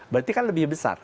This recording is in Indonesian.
berarti kan lebih besar